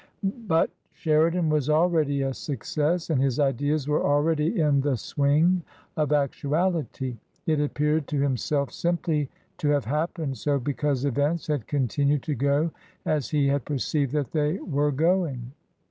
But Sheridan was already a success, and his ideas were already in the swing of actuality. It appeared to him self simply to have happened so because events had continued to go as he had perceived that they were going.